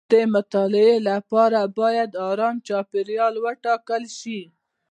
د مطالعې لپاره باید ارام چاپیریال وټاکل شي.